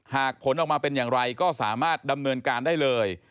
ผลออกมาเป็นอย่างไรก็สามารถดำเนินการได้เลย